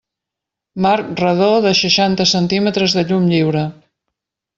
Marc redó de seixanta centímetres de llum lliure.